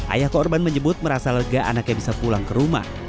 ayah korban menyebut merasa lega anaknya bisa pulang ke rumah